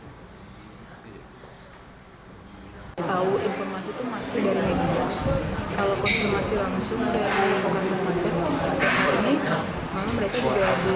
tahu informasi itu masih dari media